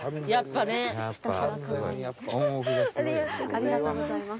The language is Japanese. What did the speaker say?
ありがとうございます。